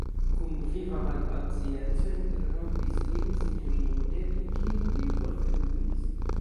kun viva malpacienco interrompis lin sinjorino Anneto: kien li forveturis?